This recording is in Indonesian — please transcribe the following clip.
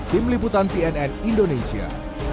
tim liputan cnn indonesia